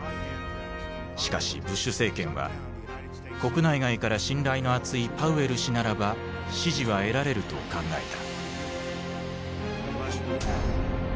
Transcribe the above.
しかしブッシュ政権は国内外から信頼の厚いパウエル氏ならば支持は得られると考えた。